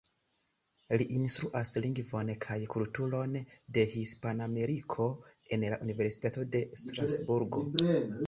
Li instruas lingvon kaj kulturon de Hispanameriko en la Universitato de Strasburgo.